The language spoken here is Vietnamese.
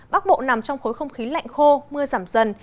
bắc bộ nằm trong khối không khí lạnh khô mưa giảm dần